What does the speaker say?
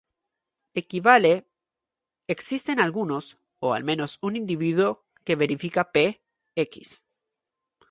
Equivale “Existen algunos, o al menos un individuo que verifica P"x".